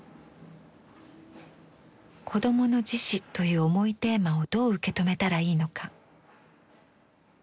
「子供の自死」という重いテーマをどう受け止めたらいいのか。